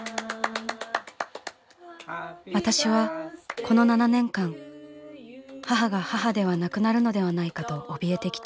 「私はこの７年間母が母ではなくなるのではないかとおびえてきた。